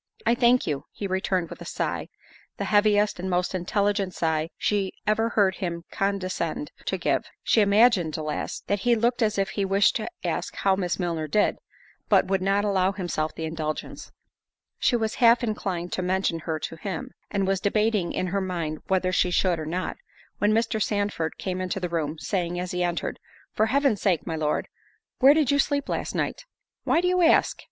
"I thank you," he returned with a sigh—the heaviest and most intelligent sigh she ever heard him condescend to give. She imagined, alas, that he looked as if he wished to ask how Miss Milner did, but would not allow himself the indulgence. She was half inclined to mention her to him, and was debating in her mind whether she should or not, when Mr. Sandford came into the room, saying, as he entered, "For Heaven's sake, my Lord, where did you sleep last night?" "Why do you ask!"